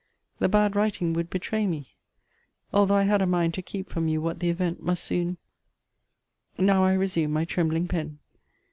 The bad writing would betray me, although I had a mind to keep from you what the event must soon Now I resume my trembling pen.